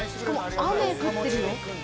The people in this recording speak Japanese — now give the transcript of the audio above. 雨降ってるよ。